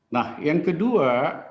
nah yang kedua